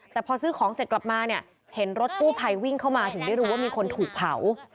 แต่พอซื้อของเสร็จกลับมาเนี่ยเห็นรถกู้ภัยวิ่งเข้ามาถึงได้รู้ว่ามีคนถูกเผา